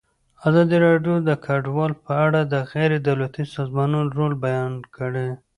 ازادي راډیو د کډوال په اړه د غیر دولتي سازمانونو رول بیان کړی.